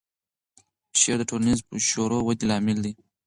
شعر د ټولنیز شعور ودې لامل دی.